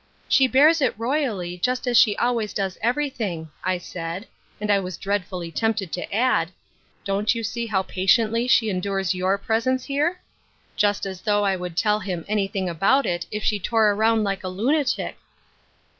' She bears it royally, just as she always does everything,' I said, and I was dreadfully tempted to add: * Don't you see how patiently she endures your presence here?' Just as though I would tell him any thing about it, if she tore around like a lunatic